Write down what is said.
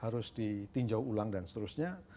harus ditinjau ulang dan seterusnya